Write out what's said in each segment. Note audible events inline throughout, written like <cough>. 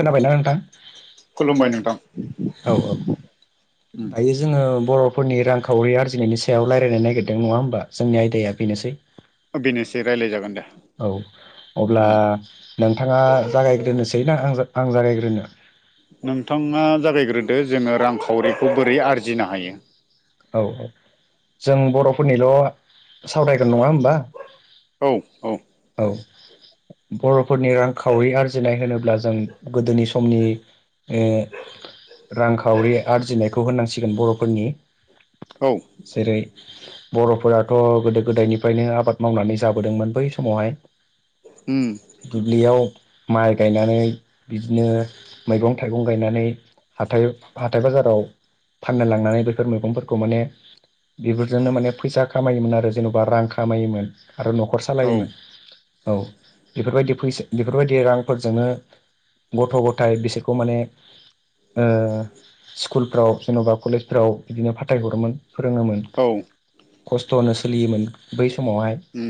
खोनाबायना नोंथां खुलुमबाय नोंथां औ औ उम दा जोङो बर'फोरनि रांखावरि आरजिनायनि सायाव रायज्लायनो नागिरदों नङा होमबा जोंनि आयदाया बेनोसै बेनोसै रायलाय औ अब्ला नोंथाङा जागायग्रोनोसै ना आं आं जागायग्रोनो नोंथाङा जागायग्रोदो जोङो रांखावरिखौ बोरै आरजिनो हायो औ औ जों बर'फोरनिल' सावरायगोन नङा होमबा औ औ। औ बर'फोरनि रांखावरि आरजिनाय होनोब्ला जों गोदोनि समनि ओ रांखावरि आरजिनायखौ होननांसिगोन बर'फोरनि औ जेरै बर'फोराथ' गोदो गोदायनिफ्रायनो आबाद मावनानै जाबोदोंमोन बै समावहाय उम दुब्लियाव माइ गायनानै बिदिनो मैगं-थाइगं गायनानै हाथाइ हाथाइ बाजाराव फाननो लांनानै बे फोर मैगंफोरखौ माने बेफोरजोंनो माने फैसा खामायोमोन आरो जेन'बा रां खामायोमोन आरो न'खर औ सालायोमोन औ बेफोरबायदि फैसा बेफोरबायदि रांफोरजोंनो गथ'- गथाय बिसोरखौ माने ओ स्कुलफ्राव जेन'बा कलेजफ्राव बिदिनो फाथायहरोमोन फोरोङोमोन औ खस्थ' होनो सोलियोमोन बै समावहाय उम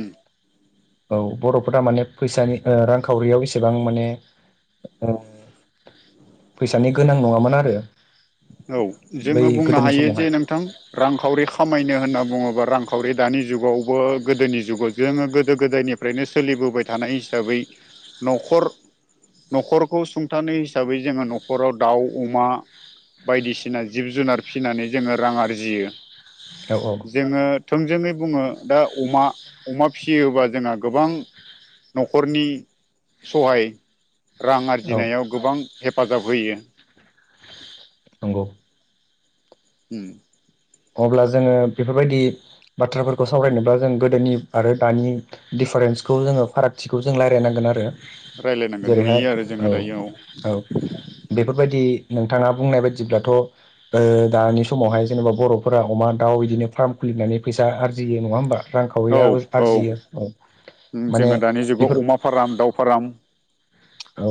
औ बर'फोरा माने फैसानि रांखावरियाव इसेबां माने फैसानि गोनां नङामोन आरो औ बै जोंङो बुंनो गोदोनि हायो जे समावहाय नोंथां रांखावरि खामायनो होनना बुङो रांखावरि दानि जुगावबो गोदोनि जुगाव जोंङो गोदो गोदायनिफ्रायनो सोलिबोबाय थानाय हिसाबै नखर नखरखौ सुंथानाय हिसाबै जोंङो नखराव दाउ अमा बायदिसिना जिब जुनार फिसिनानै जोंङो रां आरजियो औ जोंङो थोंजोङै बुङो दा अमा अमा फिसियोबा जोंहा गोबां नखरनि सहाय रां औ आरजिनायाव गोबां हेफाजाब होयो नंगौ उम अब्ला जोङो बेफोरबायदि बाथ्राफोरखौ सावरायनोब्ला जों गोदोनि आरो दानि दि दिफारेन्सखौ जोंङो फारागथिखौ जों रायलायनांगोन आरो रायलायनांगोन जेरैहाय नुयो आरो जोङो औ दायो औ बेफोरबायदि नोंथाङा बुंनाय बायदिब्लाथ ओ दानि समावहाय जेनेबा बर फोर अमा दाउ बिदिनो फार्म खुलिनानै फैसा आरजियो नङा होमबा औ रांखावरियाबो औ आरजियो उम माने जोङो दानि जुगाव बेफोर अमा फार्म दाउ फार्म औ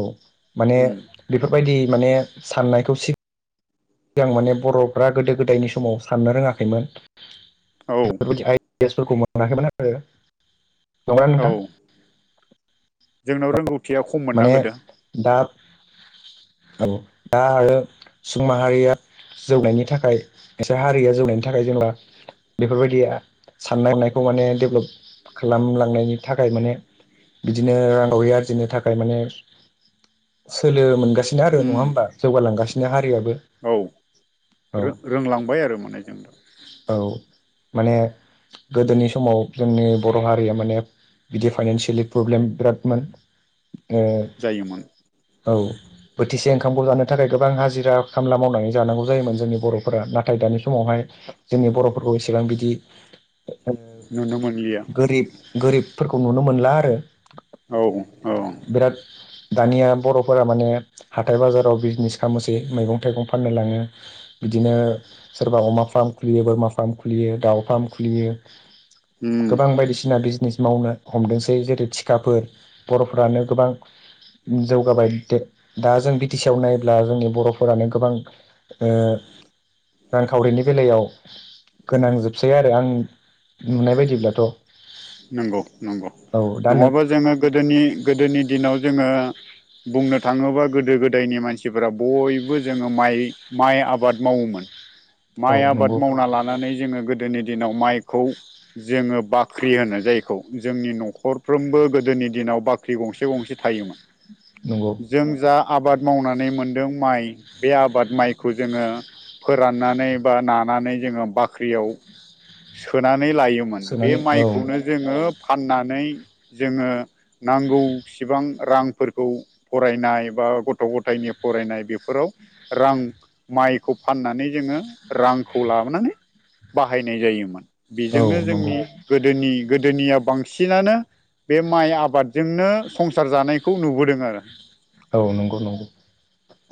माने उम बेफोरबायदि माने साननायखौ सिग मोजां माने बरफ्रा गोदो गोदायनि समाव साननो रोङाखैमोन औ बेफोरबायदि आइडियासफोरखौ मोनाखैमोन आरो नंगौना औ नोंथां जोंनाव रोंगौथिया खम मोनना माने गोदो दा औ दा आरो सुबुं माहारिया जौनायनि थाखाय एसे हारिया जौनायनि थाखाय जेब्ला बेफोरबायदिया साननाय हनायखौ माने डेभलप खालामलांनायनि थाखाय माने बिदिनो रांखावरि आरजिनो थाखाय माने सोलो मोनगोन सिनो आरो नङा उम होमबा जौगालांगासिनो हारियाबो औ रों रोंलांबाय आरो माने जों दा औ माने उम गोदोनि समाव जोंनि बर हारिया माने बिदि फाइनसियेलि प्रब्लेम बिरादमोन जायोमोन औ बोथिसे ओंखामखौ जानो थाखाय गोबां हाजिरा खामला मावनानै जानांगौ जायोमोन जोंनि बरफोरा नाथाय दानि समावहाय जोंनि बरफोरखौ इसेबां बिदि नुनो मोनलिया गोरिब गोरिबफोरखौ नुनो मोनला आरो औ औ बिराद दानिया बरफोरा माने हाथाय बाजाराव बिजनेस खालामनोसै मैगं थाइगं फाननो लाङो बिदिनो सोरबा अमा फार्म खुलियो बोरमा फार्म खुलियो दाउ फार्म खुलियो उम गोबां बायदिसिना बिजनेस मावनो हमदोंसै जेरै थिखाफोर बरफ्रानो गोबां जौगाबाय दा जों बि टि सि आव नायोब्ला जोंनि बरफोरानो गोबां <inaudible> रांखावरिनि बेलायाव गोनां जोबसै आरो आं नुनाय बायदिब्लाथ नंगौ नंगौ औ दा नों नङाबा जोंङो गोदोनि गोदोनि दिनाव जोंङो बुंनो थाङोबा गोदो गोदायनि मानसिफोरा बयबो जोंङो माइ माइ आबाद मावोमोन औ माइ आबाद नंगौ मावना लानानै जोंङो गोदोनि दिनाव माइखौ जोंङो बाख्रि होनो जायखौ जोंनि नखरफ्रोमबो गोदोनि दिनाव बा ख्रि गंसे गंसे थायोमोन नंगौ जों जा आबाद मावनानै मोनदों माइ बे आबाद माइखौ जोंङो फोराननानै बा नानानै जोंङो बाख्रियाव सोनानै लायोमोन बे सोनानै औ माइखौनो जोंङो फाननानै नै जोङो नांगौसिबां रांफोरखौ फरायनाय बा गथ' गथ गथायनि फरायनाय बेफोराव रां माइखौ फाननानै जोङो रांखौ ला नानै बाहाय नाय जायोमोन औ बेजोंनो नंगौ जोंनि गोदोनि गोदोनिया बांसिनानो बे माइ आबादजोंनो संसार जानायखौ नुबोदों आरो। औ नंगौ नंगौ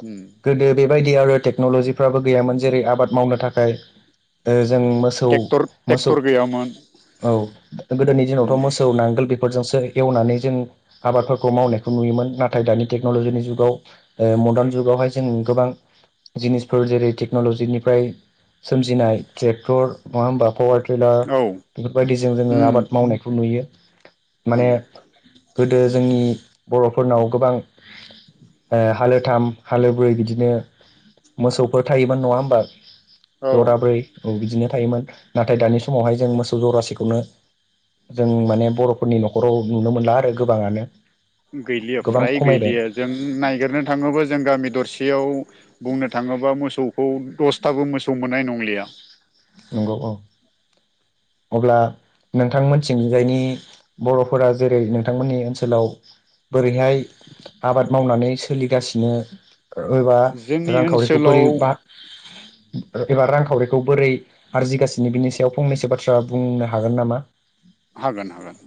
उम गोदो बेबायदि दि आरो टेकन'लजिफ्राबो गैयामोन जेरै आबाद मावनो थाखाय ओ जों मोसौ ट्रेक्टर मोसौ ट्रेक्टर गैयामोन औ गोदोनि उम दिनावथ' मोसौ नांगोल बे फोरजोंसो एवनानै जों आबादफोरखौ मावनायखौ नुयोमोन नाथाय दानि टेक्न'लजिनि जुगाव ओ मर्दार्न जुगावहाय जों गोबां जिनिसफोर जेरै टेक्न'लजिनिफ्राय सोमजिनाय ट्रेक्टर नङा होमबा पावार खैला औ बेफोरबायदिजों जोङो उम आबाद मावनायखौ नुयो। माने नुयो गोदो जोंनि बर'फोरनाव गोबां। ओ हालोथाम हालोब्रै बिदिनो मोसौफोर थायोमोन नङा होमबा औ जराब्रै। बिनो थायोमोन नाथाय दानि समावहाय जों मोसौ जरासिखौनो जों माने बर'फोरनि न'खराव नुनो मोनला आरो गोबाङानो। गैलियो गोबां फ्राय खमायबाय गैलियो जों नायगिरनो थाङोब्ला जों गामि दरसेयाव बुंनो थाङोबा मोसौखौ दसथाबो मोसौ मोननाय नंलिया। नंगौ औ। अब्ला नोंथांमोनसिं जायनि बर'फोरा जेरै नोंथांमोननि ओनसोलाव बोरैहाय आबाद मावनानै सोलिगासिनो? एबा जोंनि रांखावरिखौ ओनसोलाव बोरै बा एबा रांखावरिखौ बोरै आरजिगासिनो बिनि सायाव फंनैसो बाथ्रा बुंनो हागोन नामा। हागोन हागोन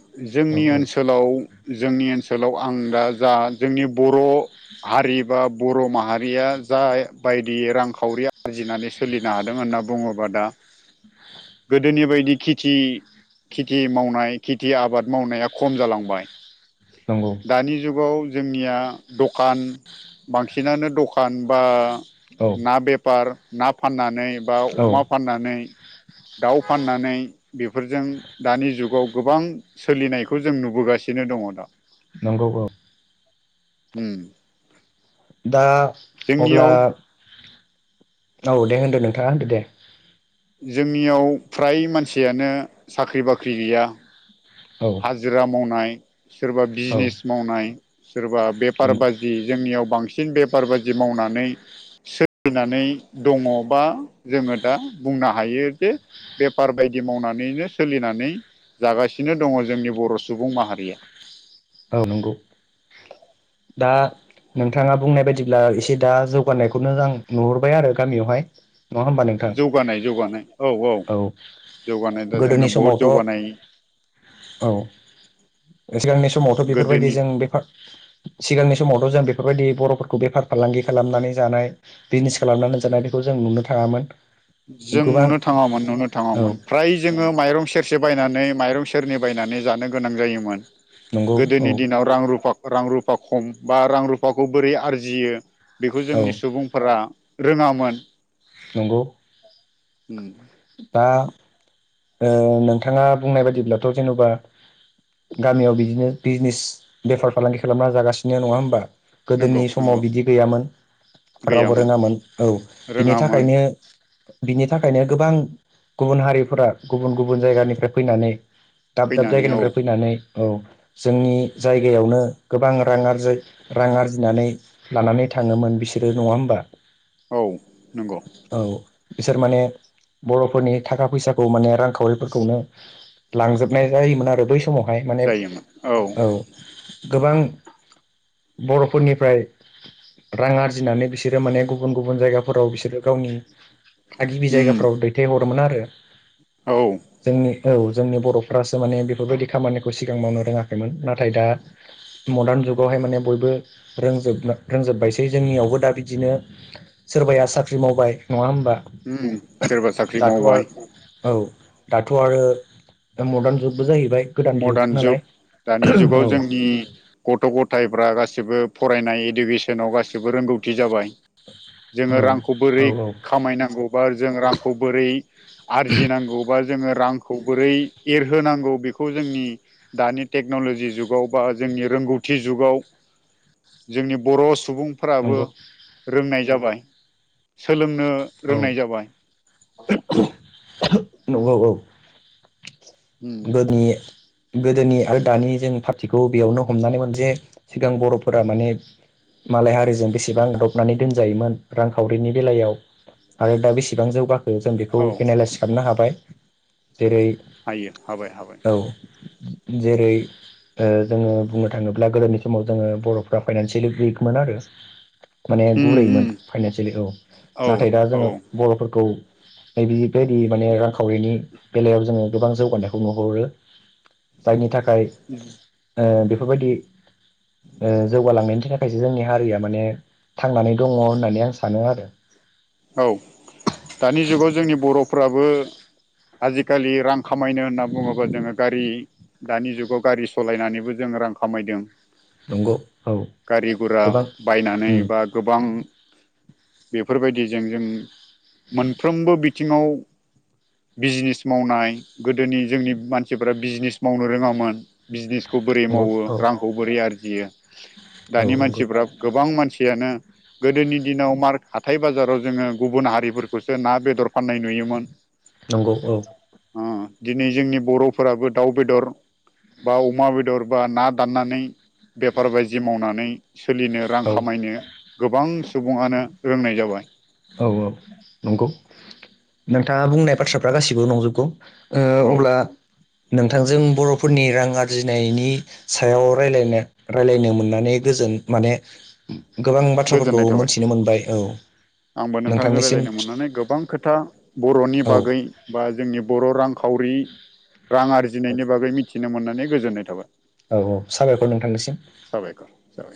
औ जोंनि औ ओनसोलाव जोंनि ओनसोलाव आं दा जा जोंनि बर' हारि बा बर' माहारिया जा बायदि रांखावरि आरजिनानै सोलिनो हादों होन होनना बुङोबा दा गोदोनि बायदि खेथि थि मावनाय खेथि आबाद मावनाया खम जालांबाय नंगौ दानि जुगाव जोंनिया दखान बांसिनानो द खान बा औ ना बेफार ना फाननानै बा औ अमा फाननानै दाउ फाननानै बेफोरजों दानि जुगाव गोबां सोलिनायखौ जों नुबोगासिनो दङ दा। नंगौ औ। होम। दा अब्ला जोंनियाव औ दे होनदो नोंथाङा होनदो दे। जोंनियाव फ्राय मानसियानो साख्रि बाख्रि गैया। औ हाजिरा मावनाय सोरबा औ बिजिनेस मावनाय। सोरबा बेफार नंगौ बाजि जोंनियाव बांसिन बेफार बाजि मावनानै सोलिनानै दङबा जोङो दा बुंनो हायो जे बेफार बायदि मावनानैनो सोलिनानै जागासिनो दङ। जोंनि बर' सुबुं माहारिया औ नंगौ दा। नोंथाङा बुंनाय बायदिब्ला एसे दा जौगानायखौनो आं नुहरबाय आरो गामियावहाय नङा होमबा नोंथां जौगानाय जौगानाय औ औ। जौगानाय दा गोदोनि जोङो बहुत समावथ' जौगानाय औ सिगांनि समावथ' बेफोरबायदि गोदोनि जों बे <inaudible> सिगांनि समावथ' जों बेफोरबायदि बर'फोरखौ बेफार फालांगि खालामनानै जानाय बिजनेस खालामनानै जानाय बेखौ जों नुनो थाङामोन जों गोबां नुनो थाङामोन नुनो औ थाङामोन फ्राय जोङो माइरं सेरसे बायनानै नै माइरं सेरनि बायनानै जानो गोनां जायोमोन नंगौ औ गोदोनि दिनाव रां रुफा रां रुफा खम बा रां रुफाखौ बोरै आरजियो बेखौ औ जोंनि सुबुंफोरा रोङामोन नंगौ। उम। दा ओ नोंथाङा बुंनाय बाददिब्लाथ' जेन'बा गामियाव बिदिनो बिजनेस बेफार फालांगि खालामना जागासिनो नङा होमबा गोदोनि नंगौ समाव नंगौ बिदि गैयामोन रावबो गैयामोन रोङामोन औ बिनि रोङामोन थाखायनो बिनि थाखायनो गोबां गुबुन हारिफोरा गुबुन गुबुन जायगानिफ्राय फैनानै दाब दाब फैनानै औ जायगानिफ्राय फैनानै औ जोंनि जायगायावनो गोबां रां आरजाय रां आरजिनानै लानानै थां थाङोमोन बिसोरो नङा होमबा? औ नोंग' औ बिसोर माने बर'फोरनि थाखा फैसाखौ माने रांखावरिफोरखौनो लांजोबनाय जायोमोन आरो बै समावहाय माने औ गोबां बर'फोरनिफ्राय रां आरजिनानै बिसोरो माने गुबुन गुबुन जायगाफोराव बिसोरो गावनि थागिबि उम जायगाफ्राव दैथायहरोमोन आरो। औ। जोंनि औ जोंनि बर'फ्रासो माने बेफोरबायदि खामानिखौ सिगां मावनो रोङाखैमोन नाथाय दा मदार्न जुगावहाय माने बयबो रोंजोब रोंजोबबायसै जोंनियावबो दा बिदिनो सोरबाया साख्रि मावबाय नङा होमबा उम सोरबा साख्रि दाथ' आरो मावबाय औ दाथ' आरो मदार्न जुग बो जाहैबाय गोदान जुग नालाय औ। थायफ्रा गासिबो फरायनाय इडुकेसनाव गासिबो रोंगौथि जाबाय औ जोङो रांखौ औ बोरै औ खामायनांगौ बा जों रांखौ बोरै आरजिनांगौ बा जोङो रांखौ बोरै एरहोनांगौ बेखौ खौ जोंनि दानि टेक्न'ल'जि जुगाव बा जोंनि रोंगौथि जुगाव जोंनि बर' सुबुंफोराबो नंगौ रोंनाय जाबाय सोलों नो औ रोंनाय जाबाय नंगौ औ। उम गोदोनि उम गोदोनि आरो दानि जों पार्टिखौ बेयावनो हमनानैमोन जे सिगां बर'फोरा माने मालाय हारिजों बेसेबां गादबनानै दोनजायोमोन रांखावरिनि बेलायाव आरो दा बेसेबां जौगाखो जों बेखौ औ एनालइस खालामनो हाबाय जेरै हायो हाबाय हाबाय औ जेरै ओ जोङो बुंनो थाङोब्ला गोदोनि समाव जोङो बर'फ्रा फाइनान्सियेलि उइकमोन आरो माने उम गुरै उम मोन फाइनानसियेलि औ औ नाथाय दा औ जोङो बर'फोरखौ बेबायदि माने रांखावरिनि बेलायाव जोङो गोबां जौगानायखौ नुहरो जायनि थाखाय ओ बेफोरबायदि ओ जौगालांनायनि थाखाय जोंनि हारिया माने थांनानै दङ' होननानै आं सानो आरो। औ दानि जुगाव जोंनि बर'फ्राबो आजिखालि रां खामायनो होनना बुङोबा जोङो गारि दानि जुगाव गारि सलायनानैबो जों रां खामायदों नंगौ औ गारि गरा गोबां बायनानै उम बा गोबां बेफोरबायदिजों जों मोनफ्रोमबो बिथिङाव बिजनेस मावनाय गोदोनि जोंनि मानसिफोरा बिजनेस मावनो रोङामोन बिजनेस खौ बोरै नंगौ मावो औ रांखौ बोरै आरजियो औ दानि नंगौ मानसिफ्रा गोबां मानसि गोदोनि दिनाव मार हाथाय बाजाराव जोङो गुबुन हारिफोरखौसो ना बेदर फाननाय नुयोमोन नंगौ औ। ओ दिनै जोंनि बर'फोराबो दाउ बेदर बा अमा बेदर बा ना दाननानै बेफार बायदि मावनानै सोलिनो रां औ खामायनो गोबां सुबुङआनो रोंनाय जाबाय औ औ नंगौ नोंथाङा बुंनाय बाथ्राफ्रा गासिबो नंजोबगौ ओ औ अब्ला। नोंथांजों बर'फोरनि रां आरजिनायनि सायाव रायलायनो रायलायनो मोननानै गोजोन माने गोबां बाथ्राफोरखौ गोजोननाय थाबाय मोनथिनो मोनबाय औ। आंबो नोंथांजों नोंथांनिसिम रायज्लायनो मोननानै गोबां खोथा बर'नि औ बागै बा जोंनि बर' रांखावरि रां औ आरजिनायनि बागै मिथिनो मोननानै गोजोननाय थाबाय। औ औ साबायखर नोंथांनिसिम साबायखर साबायखर